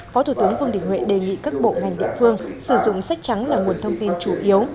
phó thủ tướng vương đình huệ đề nghị các bộ ngành địa phương sử dụng sách trắng là nguồn thông tin chủ yếu